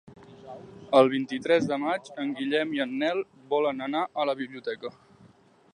El vint-i-tres de maig en Guillem i en Nel volen anar a la biblioteca.